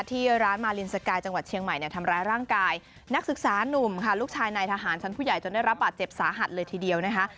ที่ร้านมาลินสกายจังหวัดเชียงใหม่ทำร้ายร่างกายนักศึกษานุ่มค่ะลูกชายนายทหารชั้นผู้ใหญ่จนได้รับบาดเจ็บสาหัสเลยทีเดียวนะคะ